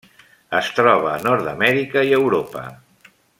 Es troba a Nord-amèrica i Europa.